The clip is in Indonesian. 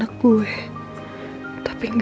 tapi gak ada suami yang ngedampingin gue